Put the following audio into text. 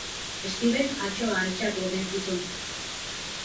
Stevek atsoa altxatu omen zizun.